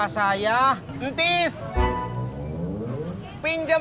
hati pengen dua ratus empat puluh